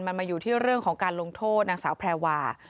มันมาอยู่ที่เรื่องของการลงโทษนางสาวแพรวา